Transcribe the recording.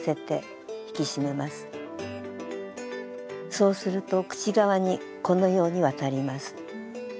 そうすると口側にこのように渡ります。